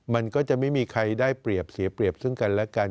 มันก็จะไม่มีใครได้เปรียบเสียเปรียบซึ่งกันและกัน